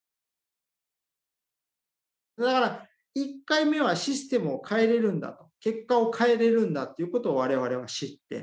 だから１回目はシステムを変えれるんだと結果を変えれるんだっていうことを我々は知って。